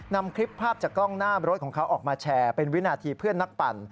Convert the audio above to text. นำคลิปภาพจากกล้องหน้ารถของเขาออกมาแชร์เป็นวินาทีเพื่อนนักปั่น